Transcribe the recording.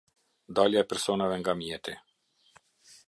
Dalja e personave nga mjeti.